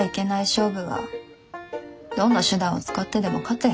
勝負はどんな手段を使ってでも勝て。